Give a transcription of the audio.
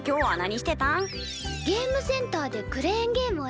ゲームセンターでクレーンゲームをしたよね。